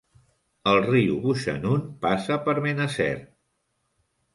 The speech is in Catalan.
El riu Bouchanoun passa per Menaceur.